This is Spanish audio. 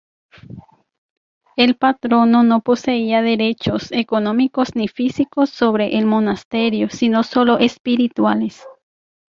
El patrono no poseía derechos económicos ni físicos sobre el monasterio sino sólo espirituales.